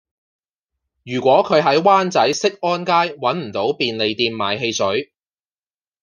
如果佢喺灣仔適安街搵唔到便利店買汽水